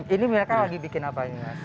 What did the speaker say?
ini mereka lagi bikin apa ini mas